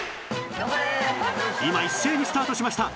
今一斉にスタートしました